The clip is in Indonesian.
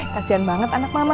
kasian banget anak mama